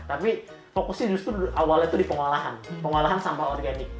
tapi fokusnya justru awalnya itu di pengolahan pengolahan sampah organik